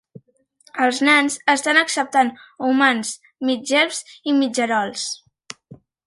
Els nans estan acceptant humans, mig elfs i mitgerols.